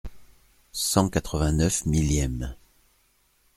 Cent quatre-vingt-neuf millième.